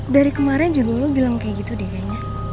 dari kemarin juga lu bilang kayak gitu deh kayaknya